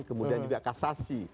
kemudian juga kasasi